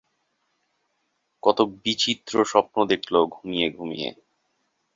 কত বিচিত্র স্বপ্ন দেখল ঘুমিয়ে-ঘূমিয়ে।